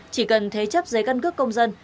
chỉ cần thế chấp giấy căn cước công dân